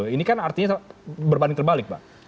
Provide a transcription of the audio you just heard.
ini kan artinya berbanding terbalik pak